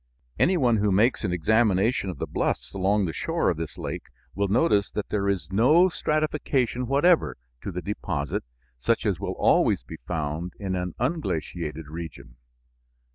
Anyone who makes an examination of the bluffs along the shore of this lake will notice that there is no stratification whatever to the deposit such as will always be found in an unglaciated region.